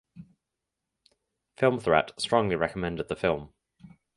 Film Threat strongly recommended the film.